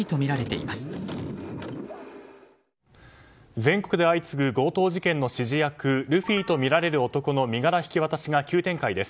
全国で相次ぐ強盗事件の指示役ルフィとみられる男の身柄引き渡しが急展開です。